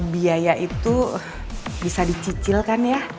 biaya itu bisa dicicilkan ya